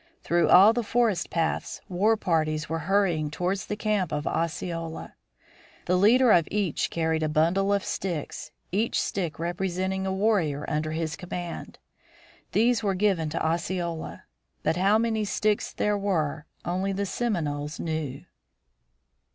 Through all the forest paths war parties were hurrying towards the camp of Osceola. The leader of each carried a bundle of sticks, each stick representing a warrior under his command. These were given to Osceola but how many sticks there were only the Seminoles knew.